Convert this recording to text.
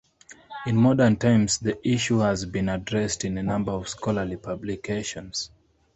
In modern times the issue has been addressed in a number of scholarly publications.